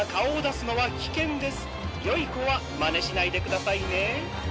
よいこはまねしないでくださいね。